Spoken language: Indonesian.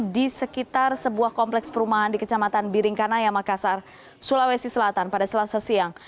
di sekitar sebuah kompleks perumahan di kecamatan biringkanaya makassar sulawesi selatan pada selasa siang